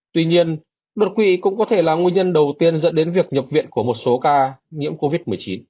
tuy nhiên đột quỵ cũng có thể là nguyên nhân đầu tiên dẫn đến việc nhập viện của một số ca nhiễm covid một mươi chín